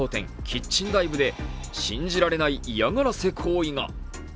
キッチンＤＩＶＥで、信じられない嫌がらせ行為が。